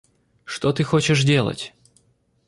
Что ты хочешь делать?